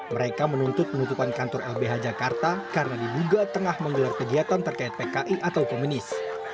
mereka menuntut penutupan kantor lbh jakarta karena diduga tengah menggelar kegiatan terkait pki atau komunis